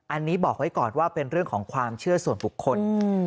อันนี้บอกไว้ก่อนว่าเป็นเรื่องของความเชื่อส่วนบุคคล